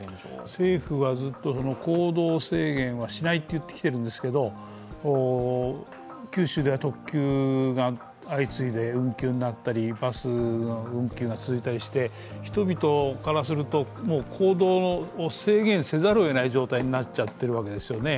政府はずっと行動制限はしないと言ってきているんですけれども、九州では特急が相次いで運休になったり、バスの運休が続いたりして人々からするともう行動を制限せざるをえない状態になっちゃってるわけですよね。